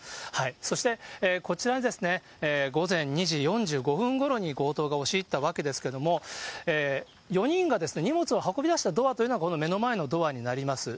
そしてこちらに、午前２時４５分ごろに強盗が押し入ったわけですけれども、４人が荷物を運び出したドアというのが、この目の前のドアになります。